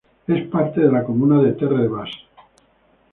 Es parte de la comuna de Terre-de-Bas.